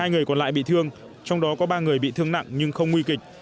hai người còn lại bị thương trong đó có ba người bị thương nặng nhưng không nguy kịch